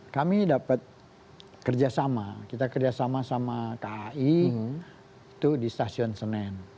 kami dapat kerjasama kita kerjasama sama kai itu di stasiun senen